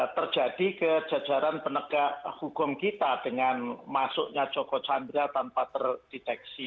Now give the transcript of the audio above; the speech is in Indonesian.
terjadi ke jajaran penegak hukum kita dengan masuknya joko chandra tanpa terdeteksi